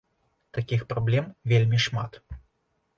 Такіх праблем вельмі шмат.